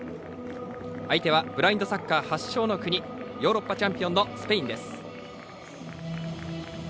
相手はブラインドサッカー発祥の国ヨーロッパチャンピオンのスペインです。